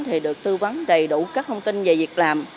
thì được tư vấn đầy đủ các thông tin về việc làm